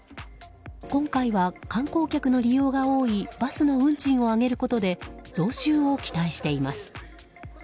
今回は観光客の利用が多いバスの運賃を上げることで増収を期待しています。